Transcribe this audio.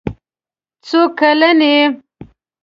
څو کلن یې.